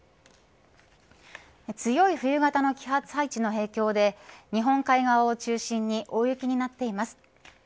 強い冬型の気圧配置の影響で日本海側を中心に大雪になっています。